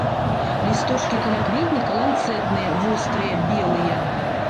Лісточкі калякветніка ланцэтныя, вострыя, белыя.